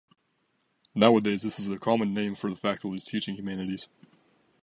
Nowadays this is a common name for the faculties teaching humanities.